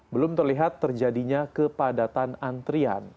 belum terlihat terjadinya kepadatan antrian